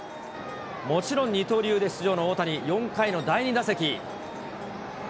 もちろん、二刀流で出場の大谷、４回の第２打席。